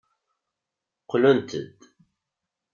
Qqlent-d.